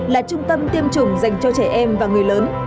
là trung tâm tiêm chủng dành cho trẻ em và người lớn